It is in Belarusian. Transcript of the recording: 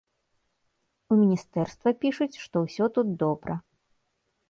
У міністэрства пішуць, што ўсё тут добра.